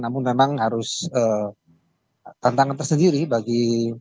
namun memang harus tantangan tersendiri bagi